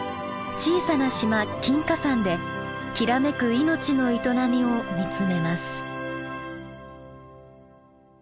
小さな島金華山できらめく命の営みを見つめます。